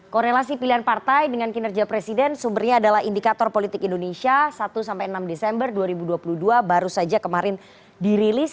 korelasi pilihan partai dengan kinerja presiden sumbernya adalah indikator politik indonesia satu enam desember dua ribu dua puluh dua baru saja kemarin dirilis